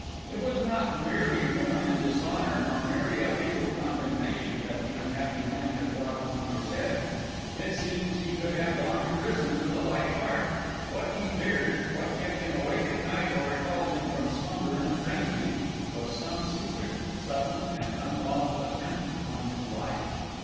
It was not merely ruin and dishonour, nor merely a legal condemnation, that the unhappy man had brought upon his head. It seems he could have gone to prison with a light heart. What he feared, what kept him awake at night or recalled him from slumber into frenzy, was some secret, sudden, and unlawful attempt upon his life.